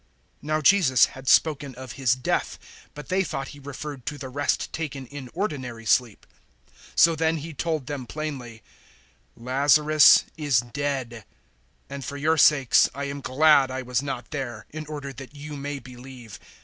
011:013 Now Jesus had spoken of his death, but they thought He referred to the rest taken in ordinary sleep. 011:014 So then He told them plainly, 011:015 "Lazarus is dead; and for your sakes I am glad I was not there, in order that you may believe.